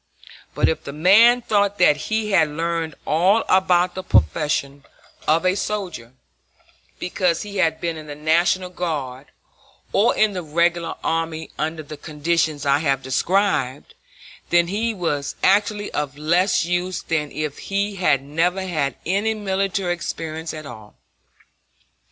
But if the man thought that he had learned all about the profession of a soldier because he had been in the National Guard or in the Regular Army under the conditions I have described, then he was actually of less use than if he had never had any military experience at all.